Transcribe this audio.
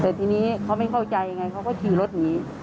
แต่ทีนี้เขาไม่เข้าใจไงเขาก็ขี่รถหนี